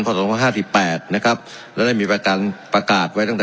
ข้อตรงว่าห้าสิบแปดนะครับแล้วยังได้มีพระการประกาศไว้ตั้งแต่